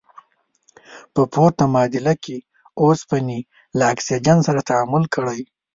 په پورته معادله کې اوسپنې له اکسیجن سره تعامل کړی.